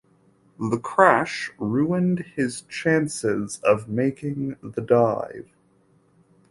The crash ruined his chances of making the dive.